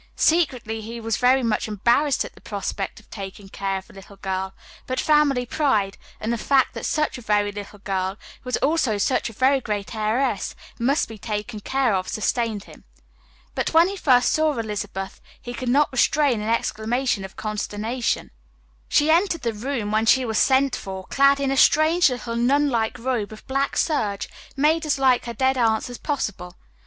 Secretly he was very much embarrassed at the prospect of taking care of a little girl, but family pride, and the fact that such a very little girl, who was also such a very great heiress, must be taken care of sustained him. But when he first saw Elizabeth he could not restrain an exclamation of consternation. [Illustration: It was Aunt Clotilde, who had sunk forward while kneeling at prayer.] She entered the room, when she was sent for, clad in a strange little nun like robe of black serge, made as like her dead aunt's as possible.